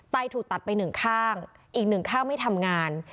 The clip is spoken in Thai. ถูกตัดไปหนึ่งข้างอีกหนึ่งข้างไม่ทำงาน